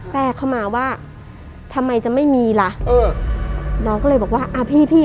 แทรกเข้ามาว่าทำไมจะไม่มีล่ะเออน้องก็เลยบอกว่าอ่าพี่พี่